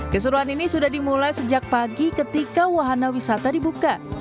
keseruan ini sudah dimulai sejak pagi ketika wahana wisata dibuka